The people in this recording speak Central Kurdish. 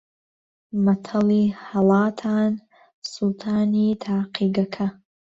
مەتەڵی ھەڵاتن: سووتانی تاقیگەکە